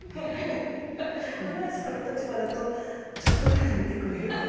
花屋さんの立場だと「ちょっとぐらい見てくれる？